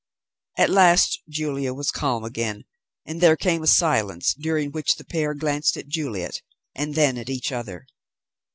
At last Julia was calm again, and there came a silence, during which the pair glanced at Juliet and then at each other.